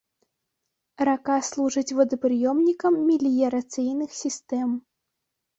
Рака служыць водапрыёмнікам меліярацыйных сістэм.